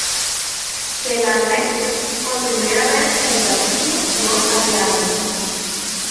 Se la ve por primera vez en el capítulo "Los aliados".